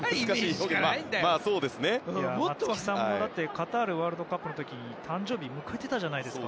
松木さんもカタールワールドカップのとき誕生日を迎えてたじゃないですか。